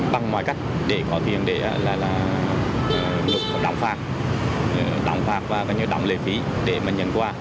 bằng mọi cách để có tiền để đóng phạt đóng lệ phí để mà nhận quà